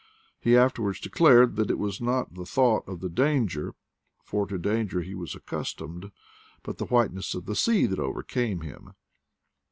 He afterwards declared that it was not, the thought of the danger, for to danger he was accustomed, but the whiteness of the sea that overcame him.